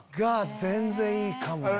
全然いいかもね。